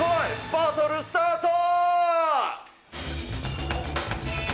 バトルスタート！